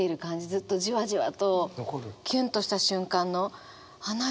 ずっとじわじわとキュンとした瞬間のあっ何？